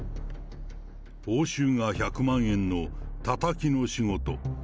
報酬が１００万円のタタキの仕事。